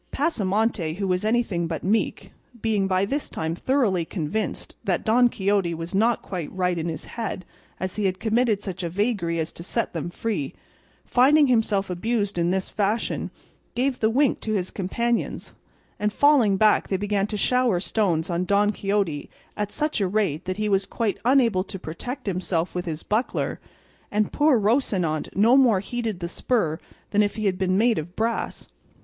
Pasamonte, who was anything but meek (being by this time thoroughly convinced that Don Quixote was not quite right in his head as he had committed such a vagary as to set them free), finding himself abused in this fashion, gave the wink to his companions, and falling back they began to shower stones on Don Quixote at such a rate that he was quite unable to protect himself with his buckler, and poor Rocinante no more heeded the spur than if he had been made of brass.